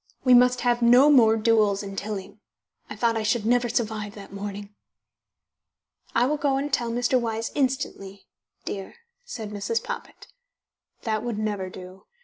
We must have no more duels in Tilling. I thought I should never survive that morning." "I will go and tell Mr. Wyse instantly dear," said Mrs. Poppit. That would never do.